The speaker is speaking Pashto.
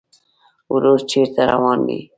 وروره چېرته روان يې؟